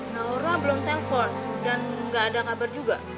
naura belum telpon dan nggak ada kabar juga